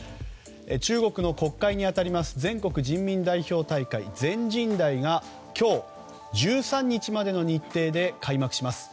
中国の国会に当たる全国人民代表大会・全人代が今日、１３日までの日程で開幕します。